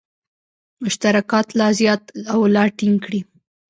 مشترکات لا زیات او لا ټینګ کړي.